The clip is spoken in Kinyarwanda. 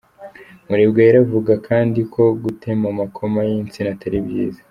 Murebwayire avuga kandi ko gutema amakoma y’insina atari byiza.